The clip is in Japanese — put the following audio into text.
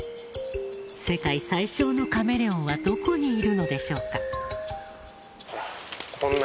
世界最小のカメレオンはどこにいるのでしょうか？